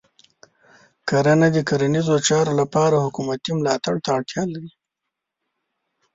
کرنه د کرنیزو چارو لپاره حکومتې ملاتړ ته اړتیا لري.